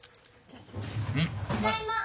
・・ただいま！